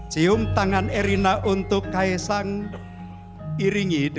cium tangan erina untuk kaisang iringi